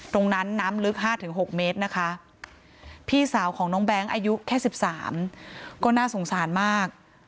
น้ำลึก๕๖เมตรนะคะพี่สาวของน้องแบงค์อายุแค่๑๓ก็น่าสงสารมาก